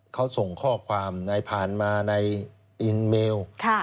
เขาส่งข้อความผ่านมาในอินเมล